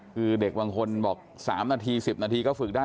คือเด็กบางคนบอก๓นาที๑๐นาทีก็ฝึกได้